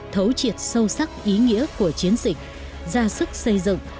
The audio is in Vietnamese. thấu triệt sâu sắc ý nghĩa của chiến dịch ra sức xây dựng